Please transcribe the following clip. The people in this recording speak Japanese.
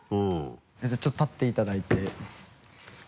ちょっと立っていただいて。